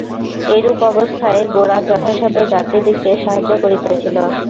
এইরূপ অবস্থায় গোরা যথাসাধ্য যাত্রীদিগকে সাহায্য করিতেছিল।